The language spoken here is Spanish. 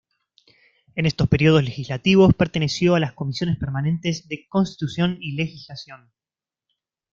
En estos períodos legislativos perteneció a las Comisiones permanentes de Constitución y Legislación.